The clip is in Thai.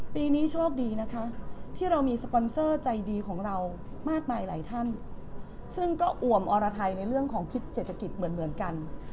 ปีนี้โชคดีนะคะที่เรามีสปอนเซอร์ใจดีของเรามากมายหลายท่านซึ่งก็อ่วมอรไทยในเรื่องของพิษเศรษฐกิจเหมือนกัน